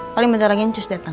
paling bentar lagi ncus datang